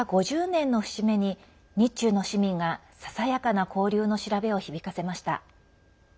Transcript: ５０年の節目に日中の市民がささやかな交流の調べを響かせました。